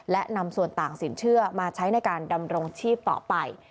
และนำส่วนต่างสินเชื่อมาใช้ในการดำรงชีพต่อไป